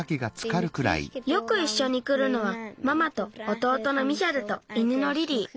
よくいっしょにくるのはママとおとうとのミヒャルと犬のリリー。